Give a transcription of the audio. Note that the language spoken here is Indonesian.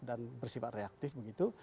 dan bersifat reaktif begitu